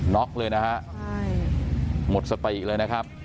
็อกเลยนะฮะหมดสติเลยนะครับ